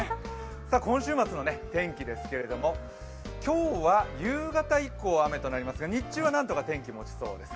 今週末の天気ですが、今日は夕方以降、雨となりますが、日中は何とか天気もちそうです。